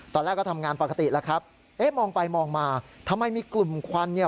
ตอนแรกก็ทำงานปกติแล้วครับเอ๊ะมองไปมองมาทำไมมีกลุ่มควันเนี่ย